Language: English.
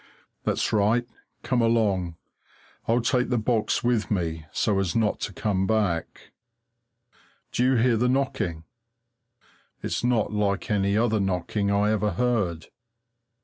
That's right, come along! I'll take the box with me, so as not to come back. Do you hear the knocking? It's not like any other knocking I ever heard.